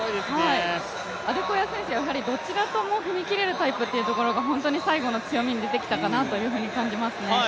アデコヤ選手、どちらとも踏み切れる選手というのが本当に最後の強みに出てきたかなと感じますね。